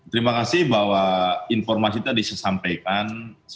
terima kasih bahwa informasi tadi disampaikan